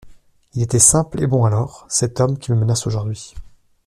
Il était simple et bon alors, cet homme qui me menace aujourd'hui.